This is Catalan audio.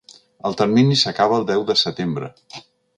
El termini s’acaba el deu de setembre.